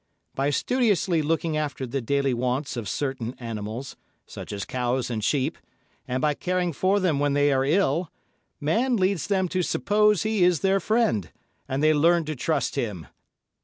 By studiously looking after the daily wants of certain animals, such as cows and sheep, and by caring for them when they are ill, man leads them to suppose he is their friend, and they learn to trust him.